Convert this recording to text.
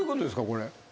これ。